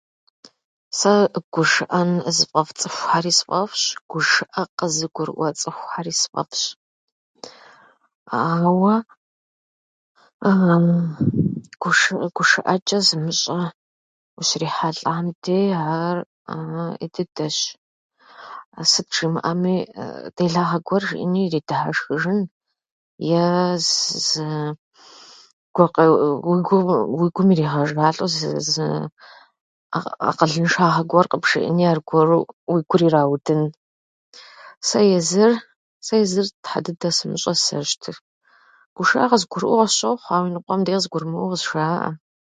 Сэ гушыӏэн зыфӏэфӏ цӏыхухьэри сфӏэфӏщ, гушыӏэ къызыгурыӏуэ цӏыхухьэри сфӏэфӏщ, ауэ гуш- гушыӏэчӏэ зымыщӏэ ущрихьэлӏэхьэм де, ар ӏей дыдэщ. Сыт жимыӏэми, делагъэ гуэр жиӏэнурэ иридыхьэшхыжыну е [unintelligible] уи гум- уи гум иригъэжалӏэу зы- зы акъы- акъылыншагъэ гуэр къыбжиӏэни, аргуэру уи гур ираудын. сэ езыр- Сэ езыр Тхьэ дыдэ сымыщӏэ сызэрыщытыр, гушыӏэ къызгурыӏуэу къысщохъу, ауэ иныкъуэм къызгурымыӏуэу къызжаӏэ.